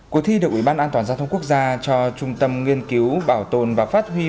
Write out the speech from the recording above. cuộc thi được ủy ban an toàn giao thông quốc gia cho trung tâm nghiên cứu bảo tồn và phát huy